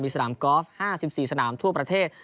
สนามกอล์ฟ๕๔สนามทั่วประเทศ